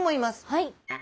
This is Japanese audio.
はい。